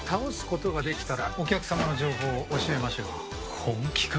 本気か？